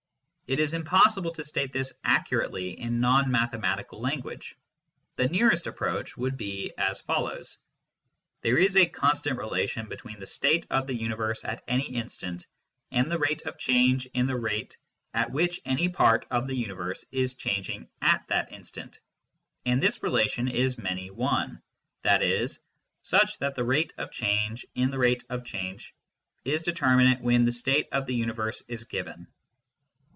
It is impossible to state this accurately in non mathematical language ; the nearest approach would be as follows :" There is a constant relation between the state of the universe at any instant and the rate of change in the rate at which any part of the universe is changing at that instant, and this relation is many one, i.e. such that the rate of change in the rate of change is determinate when the state of the universe is given."